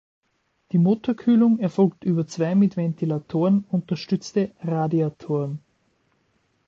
Die Motorkühlung erfolgt über zwei mit Ventilatoren unterstützte Radiatoren.